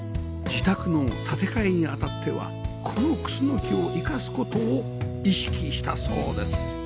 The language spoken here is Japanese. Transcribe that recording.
自宅の建て替えにあたってはこのクスノキを生かす事を意識したそうです